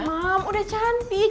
mam udah cantik